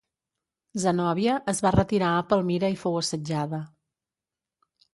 Zenòbia es va retirar a Palmira i fou assetjada.